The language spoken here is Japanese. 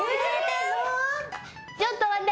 ちょっと私。